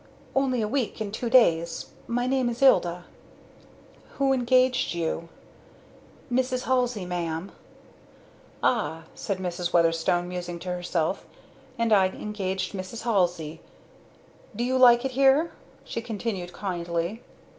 "Only a week and two days. My name is Ilda." "Who engaged you?" "Mrs. Halsey, ma'am." "Ah," said Mrs. Weatherstone, musing to herself, "and I engaged Mrs. Halsey!" "Do you like it here?" she continued kindly.